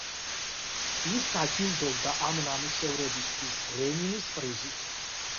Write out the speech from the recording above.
ის დაჯილდოვდა ამ ნამუშევრებისთვის ლენინის პრიზით.